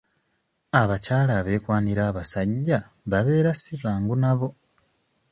Abakyala abeekwanira abasajja babeera si bangu nabo.